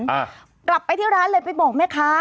อ่ากลับไปที่ร้านเลยไปบอกแม่ค้า